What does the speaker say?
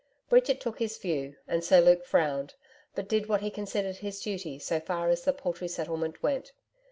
Bridget took his view and Sir Luke frowned, but did what he considered his duty so far as the paltry settlement went.